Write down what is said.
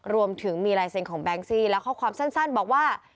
รวมถึงมีลายเซ็นต์ของแบงซี่และข้อความสั้นบอกว่า